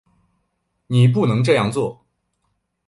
你不能这样做